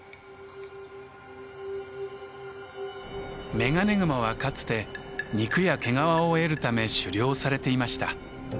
メガネグマはかつて肉や毛皮を得るため狩猟されていました。